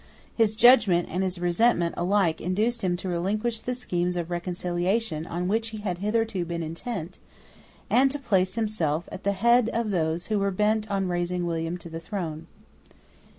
His judgment and his resentment alike induced him to relinquish the schemes of reconciliation on which he had hitherto been intent, and to place himself at the head of those who were bent on raising William to the throne.